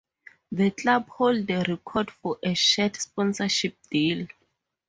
The club hold the record for a shirt sponsorship deal.